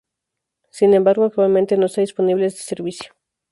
Sin embargo actualmente no está disponible este servicio.